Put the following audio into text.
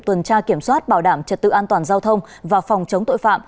tuần tra kiểm soát bảo đảm trật tự an toàn giao thông và phòng chống tội phạm